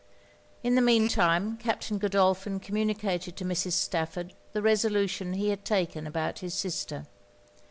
In the mean time Captain Godolphin communicated to Mrs. Stafford the resolution he had taken about his sister.